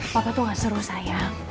papa tuh gak seru sayang